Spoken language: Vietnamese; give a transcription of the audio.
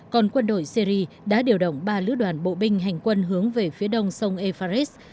còn quân đội syri đã điều động ba lứa đoàn bộ binh hành quân hướng về phía đông sông ephares